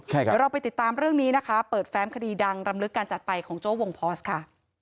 เดี๋ยวเราไปติดตามเรื่องนี้นะคะเปิดแฟ้มคดีดังรำลึกการจัดไปของโจ้ววงพอสค่ะ